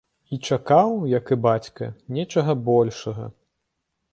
І чакаў, як і бацька, нечага большага.